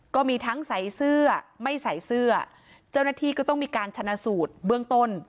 ก็มีทั้งใส่เสื้อไม่ใส่เสื้อเจ้าหน้าที่ก็ต้องมีการชนะสูตรเบื้องต้น